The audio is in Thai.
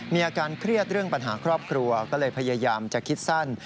มีอาการเครียดเรื่องปัญหาครอบครัวก็เลยพยายามจะคิดสั้น